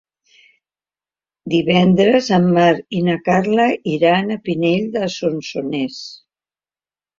Divendres en Marc i na Carla iran a Pinell de Solsonès.